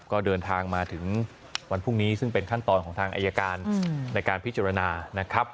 ก็เดินทางมาถึงวันพรุ่งนี้ซึ่งเป็นขั้นตอนของทางอายการในการพิจารณานะครับ